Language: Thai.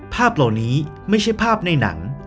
ภาพเหล่านี้ไม่ใช่ภาพในหนัง